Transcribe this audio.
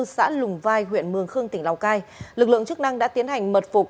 xã lùng vai huyện mường khương tỉnh lào cai lực lượng chức năng đã tiến hành mật phục